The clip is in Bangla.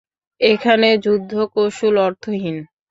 এখানে যুদ্ধ কৌশল অর্থহীন।